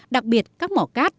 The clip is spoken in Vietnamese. đặc biệt các mỏ cát